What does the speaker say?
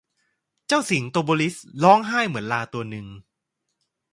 เจ้าสิงโตโบริสร้องไห้เหมือนลาตัวหนึ่ง